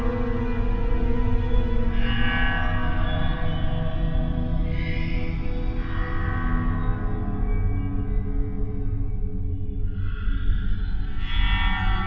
tidur tidur tidur tidur